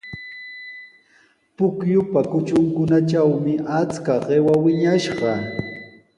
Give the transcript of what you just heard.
Pukyupa kutrunkunatrawmi achka qiwa wiñashqa.